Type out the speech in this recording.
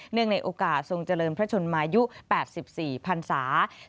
ในโอกาสทรงเจริญพระชนมายุ๘๔พันศา